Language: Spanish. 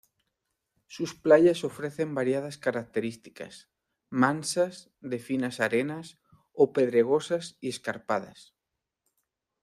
Sus playas ofrecen variadas características: mansas, de finas arenas, o pedregosas y escarpadas.